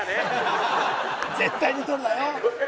「絶対に撮るなよ！」